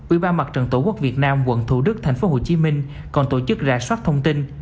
ubnd tổ quốc việt nam quận thủ đức tp hcm còn tổ chức ra soát thông tin